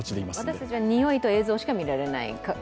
私たちは、においと映像しか見られない。